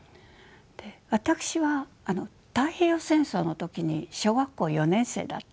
私は太平洋戦争の時に小学校４年生だったんです。